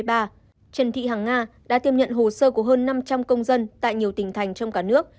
trần thị hằng nga đã tiêm nhận hồ sơ của hơn năm trăm linh công dân tại nhiều tỉnh thành trong cả nước